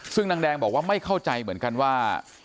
ซึ่งนางแดงบอกว่าไม่เข้าใจเหมือนกันว่า